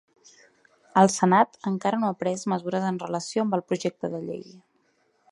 El Senat encara no ha pres mesures en relació amb el projecte de llei.